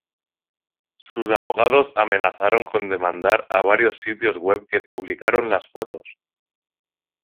Sus abogados amenazaron con demandar a varios sitios web que publicaron las fotos.